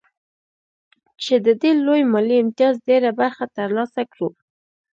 چې د دې لوی مالي امتياز ډېره برخه ترلاسه کړو